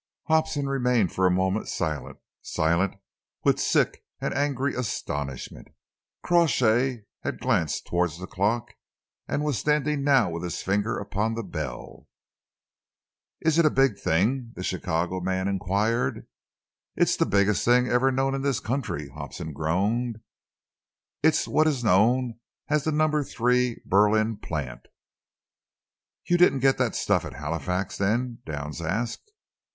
Hobson remained for a moment silent, silent with sick and angry astonishment. Crawshay had glanced towards the clock and was standing now with his finger upon the bell. "Is it a big thing?" the Chicago man enquired. "It's the biggest thing ever known in this country," Hobson groaned. "It's what is known as the Number Three Berlin plant." "You didn't get the stuff at Halifax, then?" Downs asked.